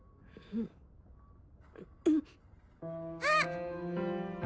あっ！